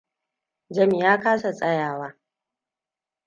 Jami ya kasa tsayawa.